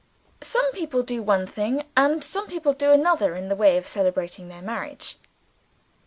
_ Some people do one thing, and some do another, in the way of celebrating the event of their marriage.